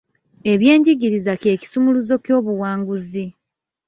Eby'enjigiriza kye kisumuluzo ky'obuwanguzi.